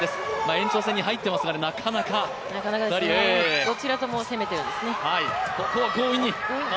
延長戦に入ってますがなかなかどちらとも攻めているんですね。